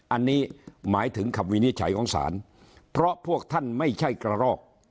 อันนี้หมายถึงคำวินิจฉัยของศาลเพราะพวกท่านไม่ใช่กระรอก